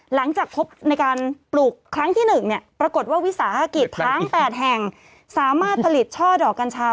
หลังจากพบในการปลูกครั้งที่๑เนี่ยปรากฏว่าวิสาหกิจทั้ง๘แห่งสามารถผลิตช่อดอกกัญชา